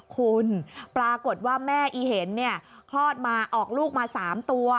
คุณปรากฏว่าแม่อีเห็นคลอดมาออกลูกมา๓ตัว